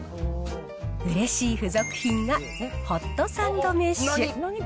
うれしい付属品が、ホットサンドメッシュ。